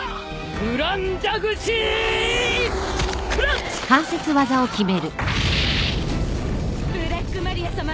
ブラックマリアさま